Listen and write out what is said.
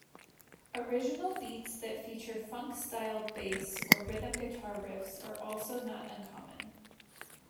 Original beats that feature funk-styled bass or rhythm guitar riffs are also not uncommon.